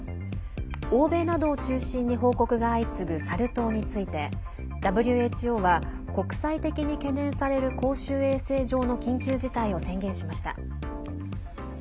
欧米などを中心に報告が相次ぐサル痘について、ＷＨＯは国際的に懸念される公衆衛生上の緊急事態を宣言しました。